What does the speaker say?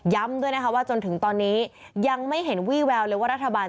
ด้วยนะคะว่าจนถึงตอนนี้ยังไม่เห็นวี่แววเลยว่ารัฐบาล